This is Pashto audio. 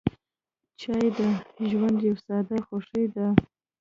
چای د ژوند یوه ساده خوښي ده.